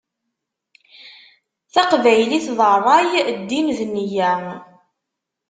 Taqbaylit d ṛṛay, ddin d neyya.